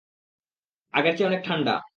আগের চেয়ে অনেক ঠান্ডা!